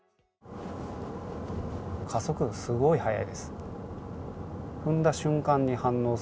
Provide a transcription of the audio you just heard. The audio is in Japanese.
加速、すごい速いです。